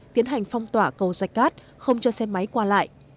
tiến hành phong tỏa cầu rạch cát không cho xe máy qua lại